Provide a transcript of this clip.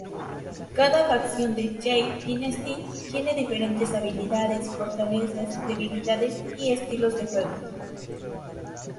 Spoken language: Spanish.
Cada facción en Jade Dynasty tiene diferentes habilidades, fortalezas, debilidades y estilos de juego.